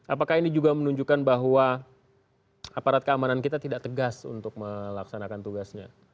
apakah ini juga menunjukkan bahwa aparat keamanan kita tidak tegas untuk melaksanakan tugasnya